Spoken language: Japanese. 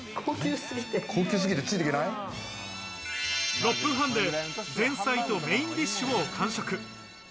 ６分半で前菜とメインディッシュを完食。